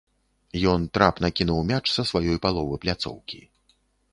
Ён трапна кінуў мяч са сваёй паловы пляцоўкі.